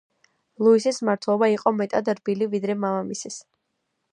ლუისის მმართველობა იყო მეტად რბილი ვიდრე მამამისის.